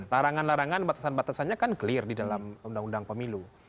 larangan larangan batasan batasannya kan clear di dalam undang undang pemilu